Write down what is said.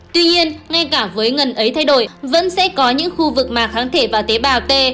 tuy nhiên ngay cả với ngần ấy thay đổi vẫn sẽ có những khu vực mà kháng thể và tế bào t